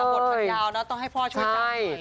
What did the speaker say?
บททีมถึงได้ดีนะให้พ่อช่วยกังไหน